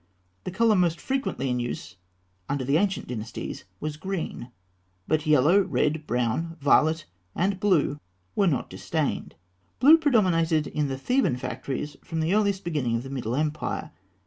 The colour most frequently in use under the ancient dynasties was green; but yellow, red, brown, violet, and blue were not disdained. Blue predominated in the Theban factories from the earliest beginning of the Middle Empire.